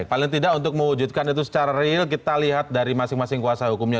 paling tidak untuk mewujudkan itu secara real kita lihat dari masing masing kuasa hukumnya